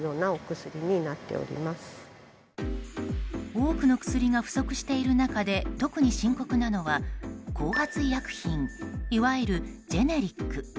多くの薬が不足している中で特に深刻なのは後発医薬品いわゆるジェネリック。